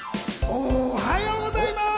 おはようございます。